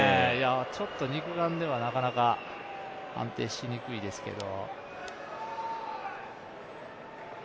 ちょっと肉眼ではなかなか判定しにくいですけれども。